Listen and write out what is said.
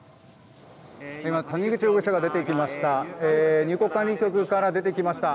今、谷口容疑者が出てきました。